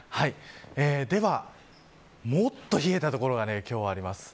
では、もっと冷えた所が今日はあります。